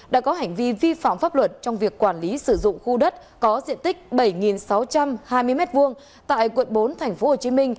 đã có hành vi vi phạm pháp luật trong việc quản lý sử dụng khu đất có diện tích bảy sáu trăm hai mươi m hai tại quận bốn tp hcm